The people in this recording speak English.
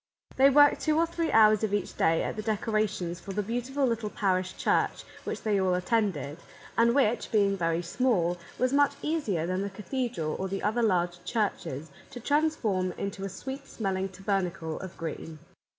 They worked two or three hours of each day at the decorations for the beautiful little parish church which they all attended, and which, being very small, was much easier than the cathedral or the other large churches to transform into a sweet smell ing tabernacle of green.